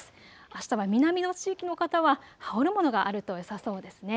あしたは南の地域の方は羽織るものがあるとよさそうですね。